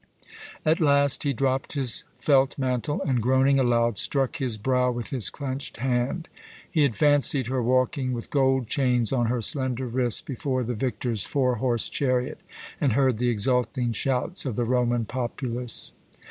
At last he dropped his felt mantle and, groaning aloud, struck his brow with his clenched hand. He had fancied her walking with gold chains on her slender wrists before the victor's four horse chariot, and heard the exulting shouts of the Roman populace.